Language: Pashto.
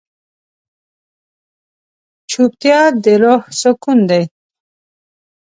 چوپتیا، د روح سکون دی.